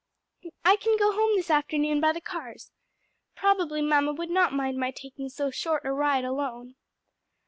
I can go home this afternoon by the cars. Probably mamma would not mind my taking so short a ride alone."